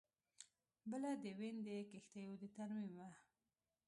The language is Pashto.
بله د وین د کښتیو د ترمیم وه